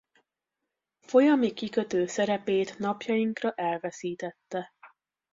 Folyami kikötő szerepét napjainkra elveszítette.